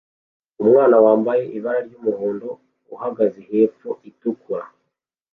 Umwana wambaye ibara ryumuhondo uhagaze hepfo itukura